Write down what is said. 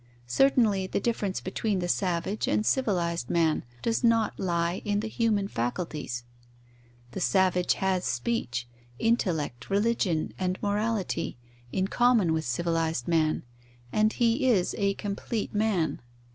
Certainly, the difference between the savage and civilized man does not lie in the human faculties. The savage has speech, intellect, religion, and morality, in common with civilized man, and he is a complete man.